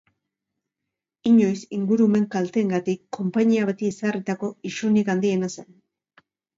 Inoiz ingurumen kalteengatik konpainia bati ezarritako isunik handiena zen.